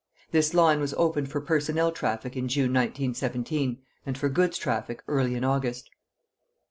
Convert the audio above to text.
This line was opened for personnel traffic in June, 1917, and for goods traffic early in August.